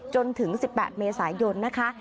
จนถึง๑๘เมษายนนะคะ